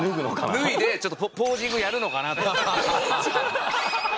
脱いでポージングやるのかな。